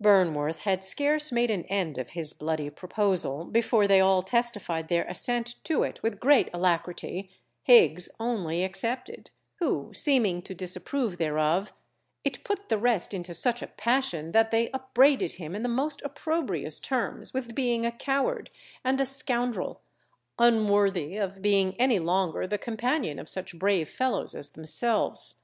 _ Burnworth had scarce made an end of his bloody proposal, before they all testified their assent to it with great alacrity, Higgs only excepted; who seeming to disapprove thereof, it put the rest into such a passion that they upbraided him in the most opprobious terms with being a coward and a scoundrel, unworthy of being any longer the companion of such brave fellows as themselves.